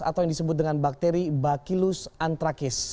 atau yang disebut dengan bakteri bacillus anthracis